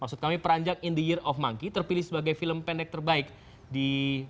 maksud kami peranjak in the year of monkey terpilih sebagai film pendek terbaik di